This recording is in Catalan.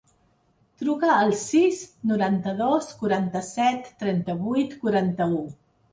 Truca al sis, noranta-dos, quaranta-set, trenta-vuit, quaranta-u.